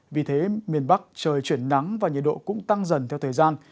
vì thế miền bắc trời chuyển nắng và nhiệt độ cũng tăng dần theo thời gian